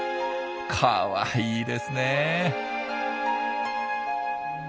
かわいいですね！